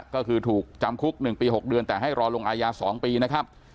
ก็คือถูกจำคุก๑ปี๖เดือนแต่ให้รอลงอายา๒ปีนะครับ